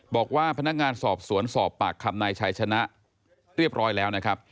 บอกว่าพนักงานสอบสวนสอบปากคำนายชัยชนะเรียบร้อยแล้วนะครับ